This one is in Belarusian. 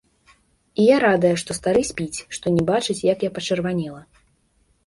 І я радая, што стары спіць, што не бачыць, як я пачырванела.